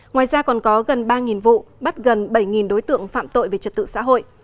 ngoài ra còn có gần ba vụ bắt gần bảy đối tượng phạm tội về trật tự xã hội